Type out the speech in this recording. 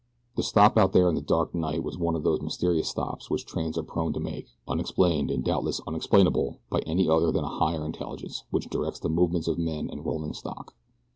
The stop out there in the dark night was one of those mysterious stops which trains are prone to make, unexplained and doubtless unexplainable by any other than a higher intelligence which directs the movements of men and rolling stock.